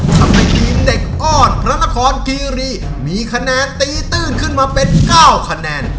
ทำให้ทีมเด็กอ้อนพระนครคีรีมีคะแนนตีตื้นขึ้นมาเป็น๙คะแนน